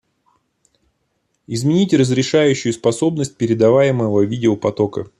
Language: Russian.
Изменить разрешающую способность передаваемого видеопотока